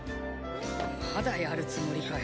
まだやるつもりかよ。